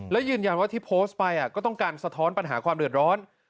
และยืนยันว่าที่โพสต์ไปก็ต้องการสะท้อนปัญหาความเดือดร้อน